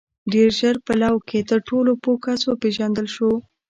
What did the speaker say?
• ډېر ژر په لو کې تر ټولو پوه کس وپېژندل شو.